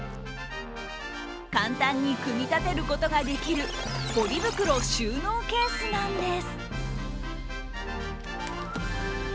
簡単に組み立てることができるポリ袋収納ケースなんです。